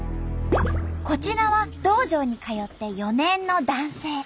こちらは道場に通って４年の男性。